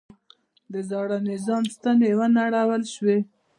د زاړه نظام ستنې ونړول شوې.